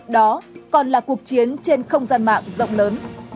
đó còn là cuộc chiến trên không gian mạng rộng lớn